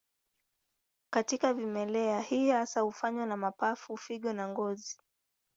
Katika vimelea, hii hasa hufanywa na mapafu, figo na ngozi.